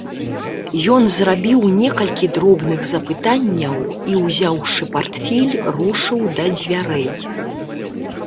Ён зрабіў некалькі дробных запытанняў і, узяўшы партфель, рушыў да дзвярэй.